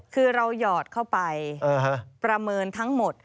คือเราหยอดเข้าไปประเมินทั้งหมด